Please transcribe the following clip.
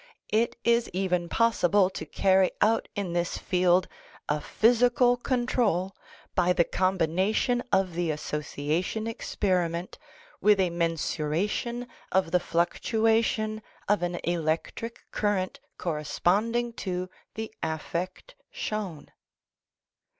"* It is even possible to carry out in this field a physical control by the combination of the association experiment with a mensuration of the fluctuation of an electric current corresponding to the affect shown.''